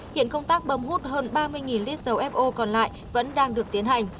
hiện công tác bâm hút hơn ba mươi lít dầu fo còn lại vẫn đang được tiến hành